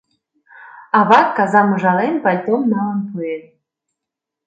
Ават казам ужален, пальтом налын пуэн